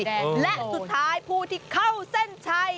และสุดท้ายผู้ที่เข้าเส้นชัย